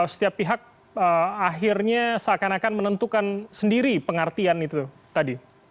setiap pihak akhirnya seakan akan menentukan sendiri pengertian itu tadi